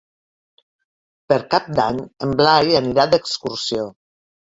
Per Cap d'Any en Blai anirà d'excursió.